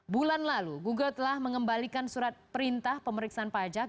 bulan lalu google telah mengembalikan surat perintah pemeriksaan pajak